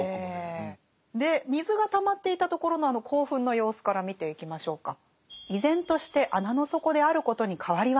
ええ。で水がたまっていたところのあの興奮の様子から見ていきましょうか。